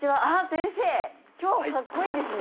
先生今日カッコいいですね。